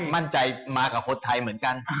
มั่นใจมากับคนไทยเหมือนกัน